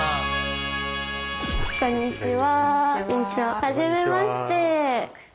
こんにちは。